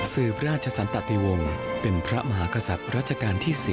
สืบราชสันตะติวงเป็นพระมหาขสัตว์ราชการที่๑๐